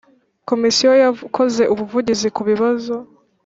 Komisiyo yakoze ubuvugizi ku bibazo